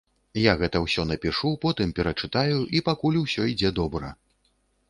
Я гэта ўсё напішу, потым перачытаю, і пакуль усё ідзе добра.